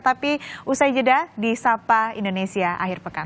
tapi usai jeda di sapa indonesia akhir pekan